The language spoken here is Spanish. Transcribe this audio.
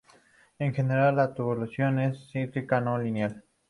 En general, la tabulación es cíclica, no lineal.